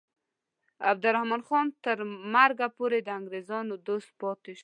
عبدالرحمن خان تر مرګه پورې د انګریزانو دوست پاتې شو.